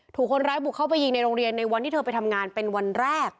ถูกคนร้ายบุกเข้าไปยิงในโรงเรียนในวันที่เธอไปทำงานเป็นวันแรก